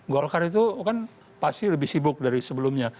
golkar itu kan pasti lebih sibuk dari sebelumnya